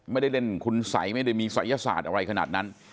ไม่ได้เล่นคุณสัยไม่ได้มีศัยศาสตร์อะไรขนาดนั้น